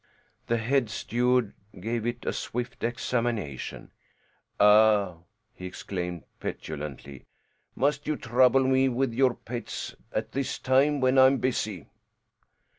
The head steward gave it a swift examination. "Ah!" he exclaimed petulantly. "Must you trouble me with your pets at this time when I am busy?"